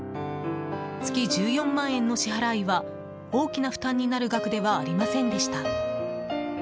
月１４万円の支払いは大きな負担になる額ではありませんでした。